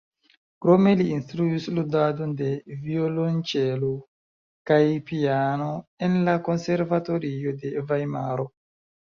Krome li instruis ludadon de violonĉelo kaj piano en la Konservatorio de Vajmaro.